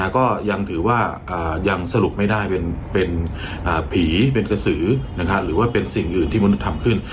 ก็ยังถือว่ายังสรุปไม่ได้เป็นผีเป็นกระสือหรือว่าเป็นสิ่งอื่นที่มนุษย์ทำขึ้น